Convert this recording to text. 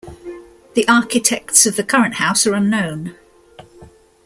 The architects of the current house are unknown.